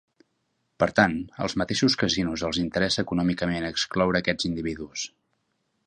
Per tant, als mateixos casinos els interessa econòmicament excloure aquests individus.